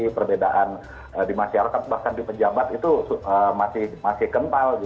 perbedaan di masyarakat bahkan di pejabat itu masih kental